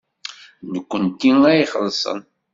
D nekkenti ad ixellṣen.